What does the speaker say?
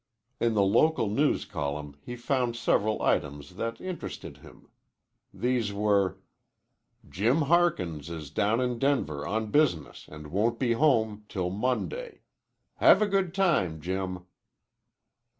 In the local news column he found several items that interested him. These were: Jim Harkins is down in Denver on business and won't be home till Monday. Have a good time, Jim.